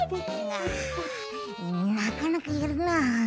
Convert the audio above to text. なかなかやるな。